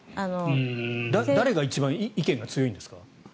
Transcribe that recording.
誰が一番意見が強いんですか？